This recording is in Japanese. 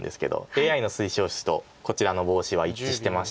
ＡＩの推奨手とこちらのボウシは一致してまして。